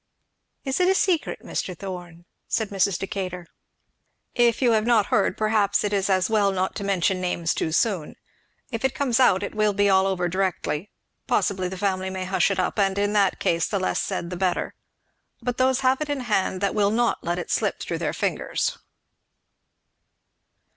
"Is it a secret, Mr. Thorn?" said Mrs. Decatur. "If you have not heard, perhaps it is as well not to mention names too soon; if it comes out it will be all over directly; possibly the family may hush it up, and in that case the less said the better; but those have it in hand that will not let it slip through their fingers."